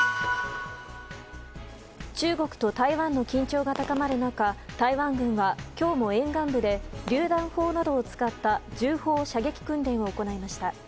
中国と台湾の緊張が高まる中台湾軍は今日も沿岸部でりゅう弾砲などを使った銃砲射撃訓練を行いました。